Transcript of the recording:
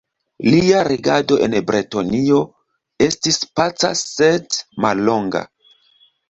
Lia regado en Bretonio estis paca sed mallonga.